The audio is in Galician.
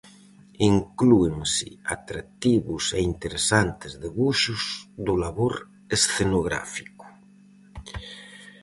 Inclúense atractivos e interesantes debuxos do labor escenográfico.